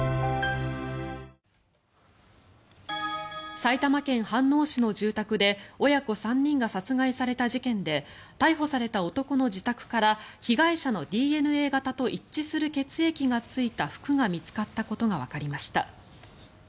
埼玉県飯能市の住宅で親子３人が殺害された事件で逮捕された男の自宅から被害者のＤＮＡ型と一致する血液がついた服が見つかったことがわかりました。